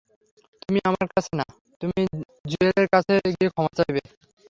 তুমি আমার কাছে না, তুমি জুয়েলের কাছে গিয়ে ক্ষমা চাইবে।